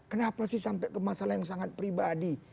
kenapa sih sampai ke masalah yang sangat pribadi